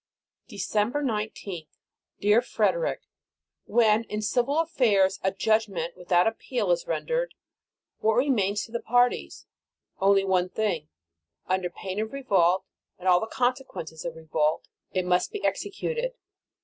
December 19th. DEAR FREDERIC: When, in civil affairs, a judgment without appeal is rendered, what remains to the parties? Only one thing. Under pain of revolt and all the consequences of revolt, it must be executed.